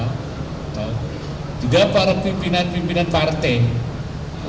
untuk tidak melakukan hal hal yang berbeda